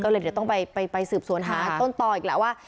ก็เลยเดี๋ยวต้องไปสืบสวนหาต้นต่ออีกแล้วว่า